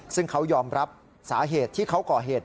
ซึ่งเขายอมรับสาเหตุที่เขาก่อเหตุ